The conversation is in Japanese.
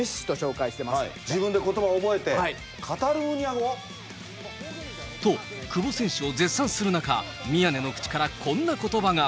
自分でことば覚えて、カタルと、久保選手を絶賛する中、宮根の口からこんなことばが。